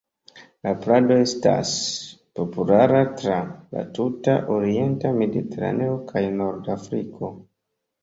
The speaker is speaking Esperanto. La plado estas populara tra la tuta orienta Mediteraneo kaj Nordafriko.